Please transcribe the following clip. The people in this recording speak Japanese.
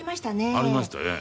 ありましたええ。